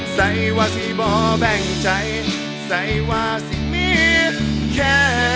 ใส่ว่าที่บ่แบ่งใจใส่ว่าสิ่งมีแค่